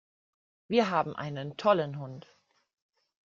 Wir haben einen tollen Hund!